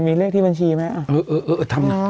มีเลขที่บัญชีไหม